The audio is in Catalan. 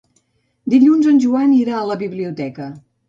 Dilluns en Joan irà a la biblioteca.